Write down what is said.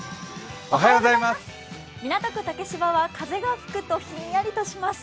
港区竹芝は風が吹くとひんやりします。